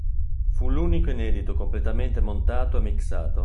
Fu l'unico inedito completamente montato e mixato.